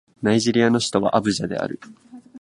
ナイジェリアの首都はアブジャである